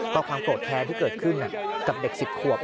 ก็ความโกรธแค้นที่เกิดขึ้นกับเด็ก๑๐ขวบ